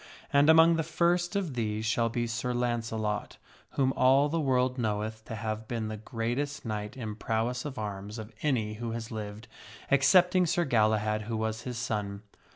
And among the first of these shall be Sir Launcelot, whom all the world knoweth to have been the greatest knight in prowess of arms of any who has lived, excepting Sir Galahad, who was his son.